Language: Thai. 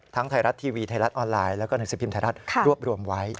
ไทยรัฐทีวีไทยรัฐออนไลน์แล้วก็หนังสือพิมพ์ไทยรัฐรวบรวมไว้